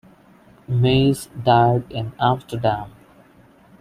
Maes died in Amsterdam.